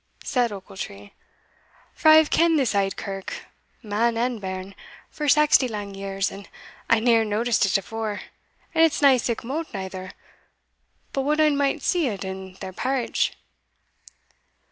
said Ochiltree; "for I hae ken'd this auld kirk, man and bairn, for saxty lang years, and I neer noticed it afore; and it's nae sic mote neither, but what ane might see it in their parritch."